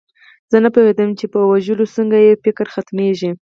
زه نه پوهېدم چې په وژلو څنګه یو فکر ختمیږي